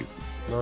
何？